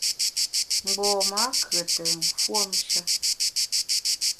Mgbom-a kùete mfuomshe.